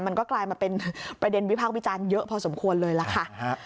กลายมาเป็นประเด็นวิพากษ์วิจารณ์เยอะพอสมควรเลยล่ะค่ะ